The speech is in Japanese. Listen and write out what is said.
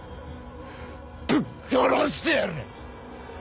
ぶっ殺してやる！